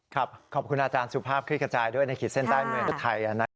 ขอบคุณอาจารย์สุภาพคลิกกระจายด้วยในขีดเส้นใต้เมืองไทยนะครับ